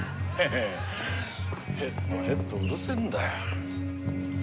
「ヘッドヘッド」うるせえんだよ。